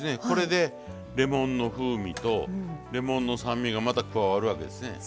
これでレモンの風味とレモンの酸味がまた加わるわけですね。